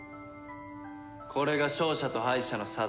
これが勝者と敗者の差だ。